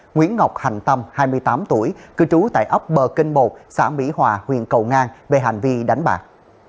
nguyễn ngọc hành tâm hai mươi tám tuổi cư trú tại ấp bờ kinh bột xã mỹ hòa huyện cầu ngang về hành vi đánh bạc